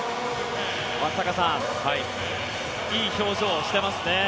松坂さん、いい表情してますね。